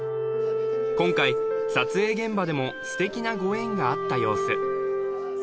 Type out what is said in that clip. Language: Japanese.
今回撮影現場でもステキなご縁があった様子